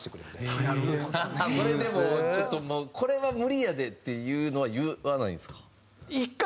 それでもちょっともうこれは無理やでっていうのは言わないんですか？